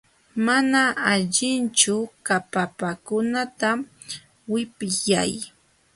Mana allinchu akapakunata wipyay.